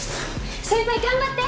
先輩頑張って！